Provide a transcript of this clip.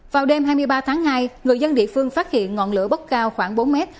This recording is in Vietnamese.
vào đêm hai mươi ba tháng hai người dân địa phương phát hiện ngọn lửa bốc cao khoảng bốn mét